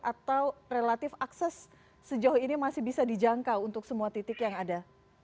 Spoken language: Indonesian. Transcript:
atau relatif akses sejauh ini masih bisa dijangkau untuk semua titik yang ada